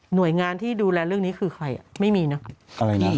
หน่วยงานที่ดูแลเรื่องนี้คือใครไม่มีนะ